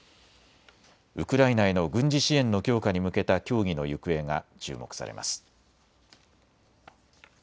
ウクライナへの軍事支援の強化に向けた協議の行方が注目されます。